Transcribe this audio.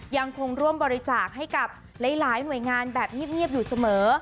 ยังคงร่วมบริจาคให้กับหลายหน่วยงานแบบเงียบอยู่เสมอ